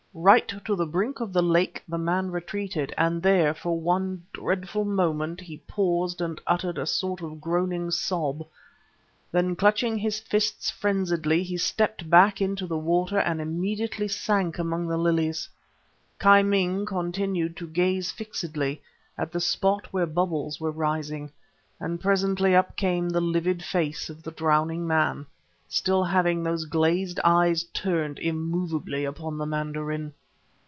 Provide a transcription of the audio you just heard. "Right to the brink of the lake the man retreated, and there, for one dreadful moment, he paused and uttered a sort of groaning sob. Then, clenching his fists frenziedly, he stepped back into the water and immediately sank among the lilies. Ki Ming continued to gaze fixedly at the spot where bubbles were rising; and presently up came the livid face of the drowning man, still having those glazed eyes turned, immovably, upon the mandarin.